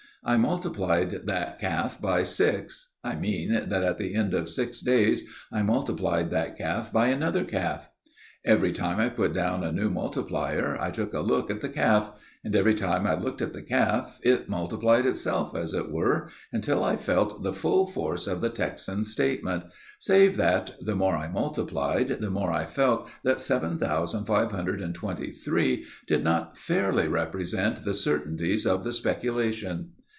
I multiplied that calf by six I mean that at the end of six days I multiplied that calf by another calf. Every time I put down a new multiplier I took a look at the calf, and every time I looked at the calf it multiplied itself, as it were, until I felt the full force of the Texan's statement, save that, the more I multiplied, the more I felt that seven thousand five hundred and twenty three did not fairly represent the certainties of the speculation.